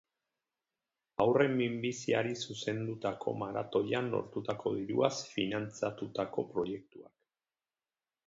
Haurren minbiziari zuzendutako maratoian lortutako diruaz finantzatutako proiektuak.